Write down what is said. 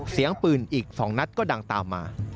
เสียงปืนอีก๒นัดก็ดังตามมา